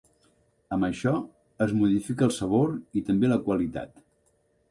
Amb això es modifica el sabor i també la qualitat.